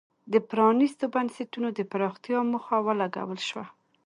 د پرانیستو بنسټونو د پراختیا موخه ولګول شوه.